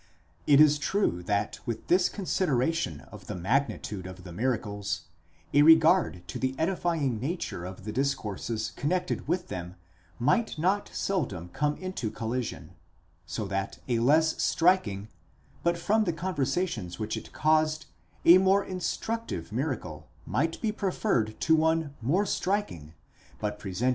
It is true that with this consideration of the magnitude of the miracles,a regard to the edifying nature of the discourses connected with them might not seldom come into collision, so that a less striking, but from the conversations which it caused, a more instructive miracle, might be preferred to one more striking, but presenting less of the % Paulus, Comm.